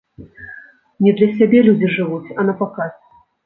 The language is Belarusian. Не для сябе людзі жывуць, а напаказ.